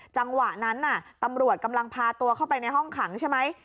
จังหวะนั้นตำรวจกำลังพาตัวเข้าไปในห้องขังใช่ไหม